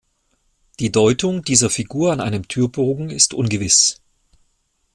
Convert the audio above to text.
Die Deutung dieser Figur an einem Türbogen ist ungewiss.